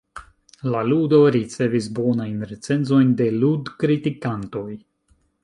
La ludo ricevis bonajn recenzojn de lud-kritikantoj.